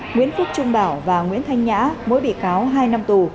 nguyễn phúc trung bảo và nguyễn thanh nhã mỗi bị cáo hai năm tù